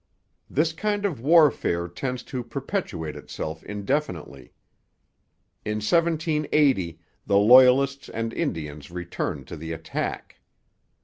This kind of warfare tends to perpetuate itself indefinitely. In 1780 the Loyalists and Indians returned to the attack.